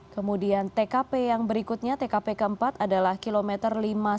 kemudian tkp yang berikutnya tkp keempat adalah kilometer lima puluh sembilan